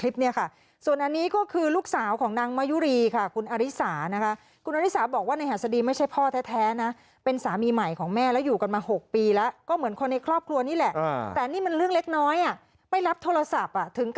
เพราะว่าเรื่องมันเขตมายนไหมมันย้อนคืนเวลาไม่ได้เลย